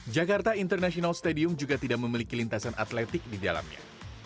jakarta international stadium juga tidak memiliki lintasan atletik di dalamnya